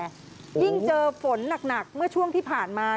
ยิ่งเจอฝนหนักเมื่อช่วงที่ผ่านมา